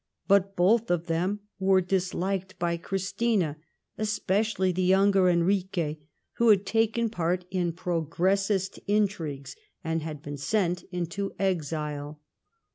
But both of them were disliked by Christina, especially the younger, Enrique, who had taken part in Progressist intrigues^ and had been sent into exile.